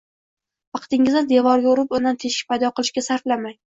«Vaqtingizni devorga urib, undan eshik paydo qilishga sarflamang